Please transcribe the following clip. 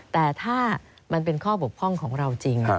แต่ถ้ามันเป็นข้อบกพร่องของเราจริง